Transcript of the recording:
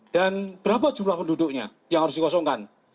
dan berapa jumlah penduduknya yang harus dikosongkan